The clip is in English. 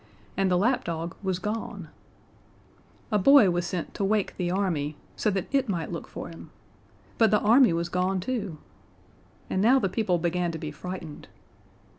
And the lapdog was gone! A boy was sent to wake the army, so that it might look for him. But the army was gone too! And now the people began to be frightened.